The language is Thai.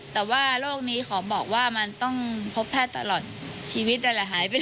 แต่ว่าโรคนี้ขอบอกว่ามันต้องพบแพทย์ตลอดชีวิตนั่นแหละหายไปเลย